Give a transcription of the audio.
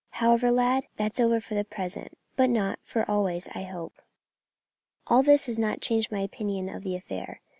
However, lad, that's over for the present; but not for always, I hope. All this has not changed my opinion of the affair.